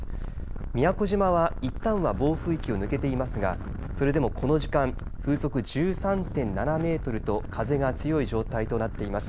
宮古島はいったんは暴風域を抜けていますがそれでもこの時間風速１３．７メートルと風が強い状態となっています。